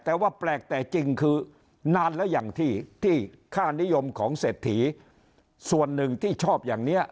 แต่ว่าแปลกแต่จริงคือนานแล้วอย่างที่ที่ค่านิยมของเศรษฐีส่วนหนึ่งที่ชอบอย่างเนี้ย